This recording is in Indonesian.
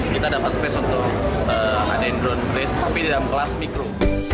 kita dapat space untuk ngadain drone race tapi di dalam kelas mikro